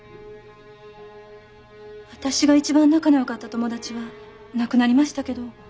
私が一番仲の良かった友達は亡くなりましたけど。